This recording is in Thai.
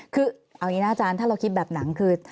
คือเอาอย่างนี้นะอาจารย์ถ้าเราคิดแบบหนังคือ